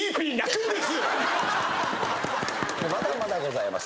まだまだございます。